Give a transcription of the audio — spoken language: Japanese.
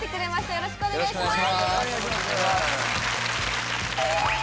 よろしくお願いします